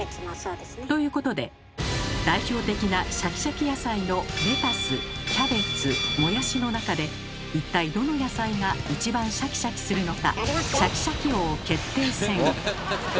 ということで代表的なシャキシャキ野菜のレタスキャベツモヤシの中で一体どの野菜が一番シャキシャキするのか？